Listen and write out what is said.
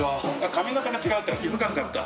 髪形が違うから気付かなかった。